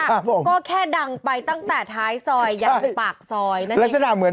ก็แค่ดังไปตั้งแต่ท้ายซอยอย่างปากซอยนั่นเนี่ย